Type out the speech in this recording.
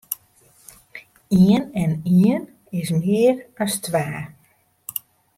Ien en ien is mear as twa.